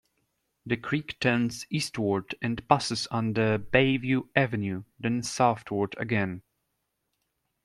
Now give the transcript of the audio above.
The creek turns eastward and passes under Bayview Avenue, then southward again.